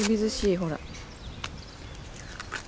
ほら。